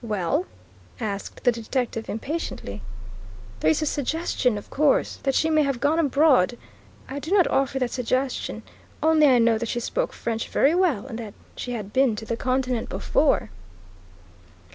"Well?" asked the detective impatiently. "There is a suggestion, of course, that she may have gone abroad. I do not offer that suggestion, only I know that she spoke French very well and that she had been to the Continent before."